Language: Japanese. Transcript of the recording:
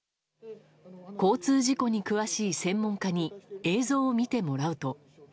交通事故に詳しい専門家に映像を見てもらうと。